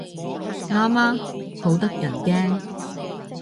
啱啊，好得人驚